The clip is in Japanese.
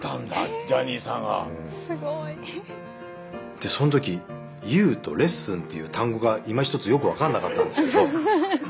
でその時「ＹＯＵ」と「レッスン」っていう単語がいまひとつよく分かんなかったんですけど。